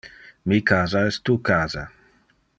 Mi casa es tu casa.